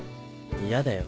嫌だよ